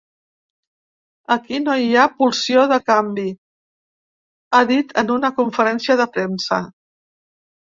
Aquí no hi ha pulsió de canvi, ha dit en una conferència de premsa.